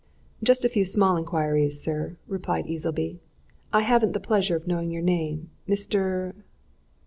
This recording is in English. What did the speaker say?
"Just a few small inquiries, sir," replied Easleby. "I haven't the pleasure of knowing your name Mr.